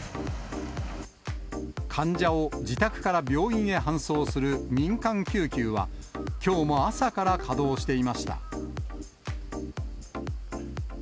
患者を自宅から病院へ搬送する民間救急は、きょうも朝から稼働していました。